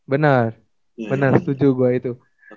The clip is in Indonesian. benar benar setuju gua itu